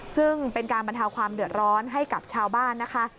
ซึ่งเป็นการบรรเทาความเดือดร้อนให้กับชาวบ้านนะคะ